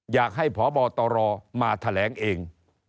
อยากให้พบตรมาแถลงเอง